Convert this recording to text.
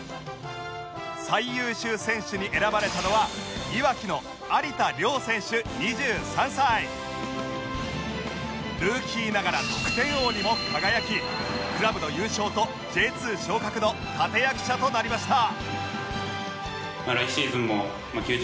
最優秀選手に選ばれたのはルーキーながら得点王にも輝きクラブの優勝と Ｊ２ 昇格の立役者となりました